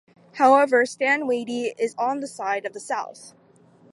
However, Stand Watie is on the side of the South.